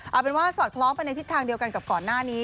เอาเป็นว่าสอดคล้องไปในทิศทางเดียวกันกับก่อนหน้านี้